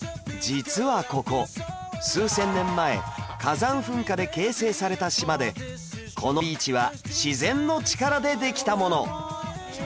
実はここ数千年前火山噴火で形成された島でこのビーチは自然の力でできたもの